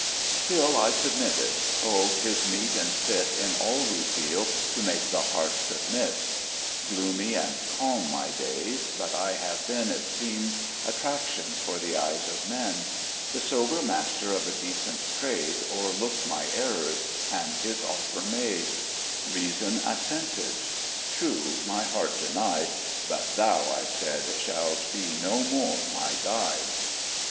Still I submitted; Oh! 'tis meet and fit In all we feel to make the heart submit; Gloomy and calm my days, but I had then, It seem'd, attractions for the eyes of men: The sober master of a decent trade O'erlook'd my errors, and his offer made; Reason assented: true, my heart denied, 'But thou,' I said,'shalt be no more my guide.'